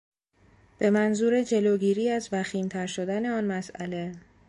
به منظور جلوگیری از وخیمتر شدن آن مسئله